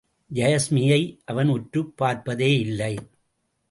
யாஸ்மியை அவன் உற்றுப் பார்ப்பதேயில்லை.